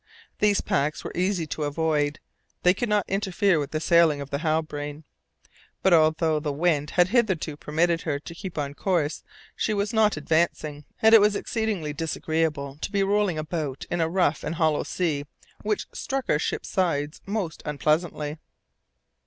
These packs were easy to avoid; they could not interfere with the sailing of the Halbrane. But, although the wind had hitherto permitted her to keep on her course, she was not advancing, and it was exceedingly disagreeable to be rolling about in a rough and hollow sea which struck our ship's sides most unpleasantly.